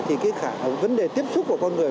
thì cái vấn đề tiếp xúc của con người